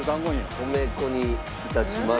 米粉に致します。